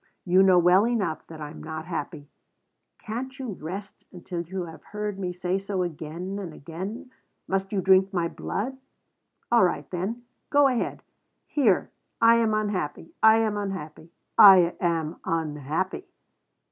"You know well enough that I am not happy. Can't you rest until you have heard me say so again and again? Must you drink my blood? All right, then. Go ahead. Here. I am unhappy, I am unhappy, I am unhappy.